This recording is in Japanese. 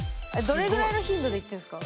それぐらいの頻度で行ってんすか？